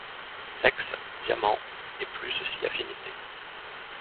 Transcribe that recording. Sexe, diamants et plus si affinités...